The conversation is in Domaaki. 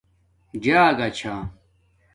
جاگہ چھݳ